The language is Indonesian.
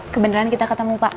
kebeneran kita ketemu pak